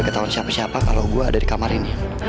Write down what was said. tak ada paban